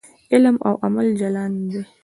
علم او عمل جلا نه دي.